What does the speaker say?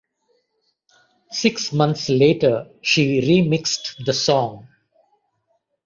Six months later she remixed the song.